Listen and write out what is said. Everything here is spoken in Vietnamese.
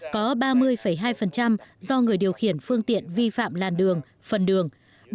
có ba mươi hai do người điều khiển phương tiện vi phạm làn đường phần đường